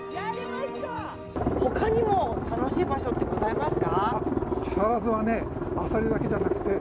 他にも楽しい場所ってございますか？